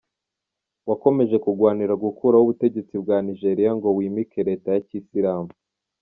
Wakomeje kugwanira gukuraho ubutegetsi bwa Nigeria ngo wimike Leta ya ki Islamu.